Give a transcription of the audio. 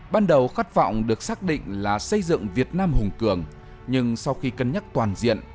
ban đầu khát vọng được xác định là xây dựng việt nam hùng cường nhưng sau khi cân nhắc toàn diện